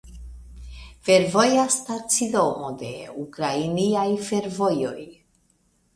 Fervoja stacidomo de Ukrainaj fervojoj.